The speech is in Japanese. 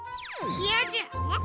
いやじゃ！え？